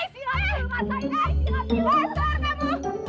i silap dulu masa ini i silap dulu